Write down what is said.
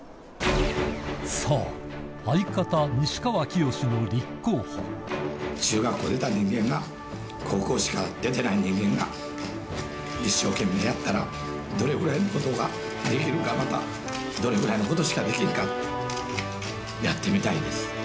そう、相方、西川きよしの立中学校出た人間が、高校しか出てない人間が、一生懸命やったら、どれぐらいのことができるか、またどれぐらいのことしかできんか、やってみたいです。